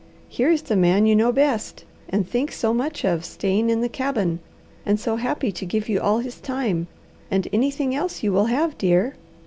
Here is the man you know best, and think so much of, staying in the cabin, and so happy to give you all his time, and anything else you will have, dear.